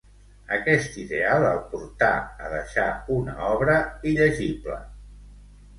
Aquest ideal el portà a deixar una obra “il·legible”.